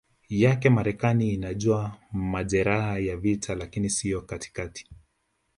yake Marekani inajua majeraha ya vita lakini sio katikati